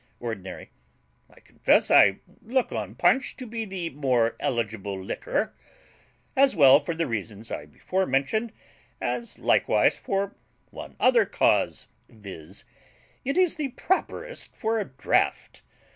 ORDINARY. I confess I look on punch to be the more eligible liquor, as well for the reasons I before mentioned as likewise for one other cause, viz., it is the properest for a DRAUGHT.